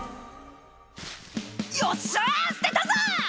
よっしゃー、捨てたぞ。